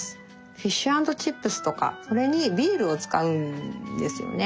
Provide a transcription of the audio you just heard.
フィッシュ＆チップスとかそれにビールを使うんですよね。